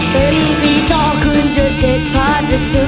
เป็นพี่ท่อคุณเดือดเทศภาษี